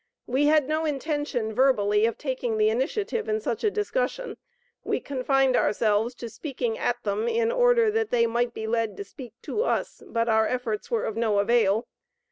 We had no intention, verbally, of taking the initiative in such a discussion; we confined ourselves to speaking at them, in order that they might be led to speak to us; but our efforts were of no avail.